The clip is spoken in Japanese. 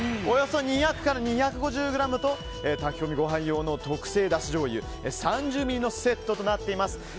およそ２００から２５０ｇと炊き込みご飯用の特製だしじょうゆ３０ミリのセットとなっています。